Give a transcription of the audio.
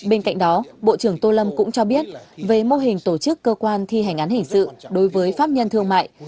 bên cạnh đó bộ trưởng tô lâm cũng cho biết về mô hình tổ chức cơ quan thi hành án hình sự đối với pháp nhân thương mại